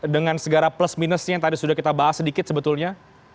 dengan segala plus minusnya yang tadi sudah kita bahas sedikit sebetulnya